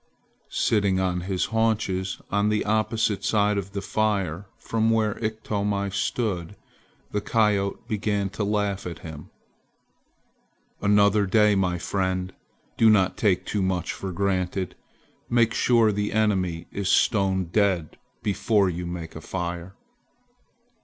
Sitting on his haunches, on the opposite side of the fire from where Iktomi stood, the coyote began to laugh at him. "Another day, my friend, do not take too much for granted. Make sure the enemy is stone dead before you make a fire!"